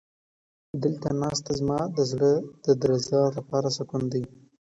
دلته ناسته زما د زړه د درزا لپاره سکون دی.